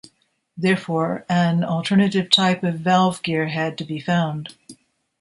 Therefore, an alternative type of valve gear had to be found.